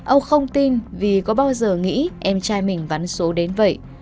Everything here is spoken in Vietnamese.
ông không tin vì có bao giờ nghĩ em trai mình vắn số đến vậy